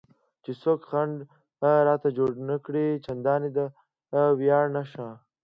چې څوک خنډ راته جوړ نه کړي، چندانې د ویاړ نښه.